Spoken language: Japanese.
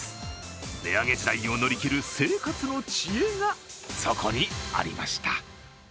値上げ時代を乗り切る生活の知恵がそこにありました。